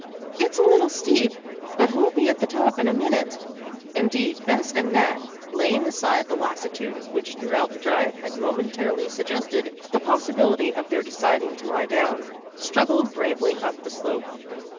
"It's a little steep, but we'll be at the top in a minute." Indeed, Bess and Nat, laying aside the lassitude which throughout the drive had momentarily suggested the possibility of their deciding to lie down, struggled bravely up the slope.